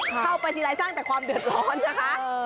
เข้าไปทีไรสร้างแต่ความเดือดร้อนนะคะ